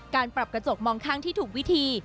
การปรับกระจกมองข้างที่ถูกวิธี